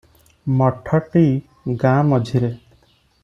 ମଠଟି ଗାଁ ମଝିରେ ।